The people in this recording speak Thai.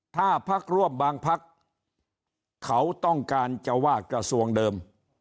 ถ้าพักร่วมบางพักเขาต้องการจะว่ากระทรวงเดิม